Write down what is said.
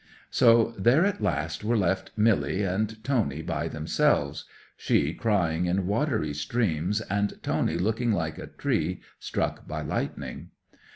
'So there at last were left Milly and Tony by themselves, she crying in watery streams, and Tony looking like a tree struck by lightning.